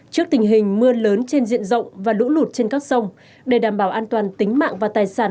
trước tình hình mưa lớn trên diện rộng và lũ lụt trên các sông để đảm bảo an toàn tính mạng và tài sản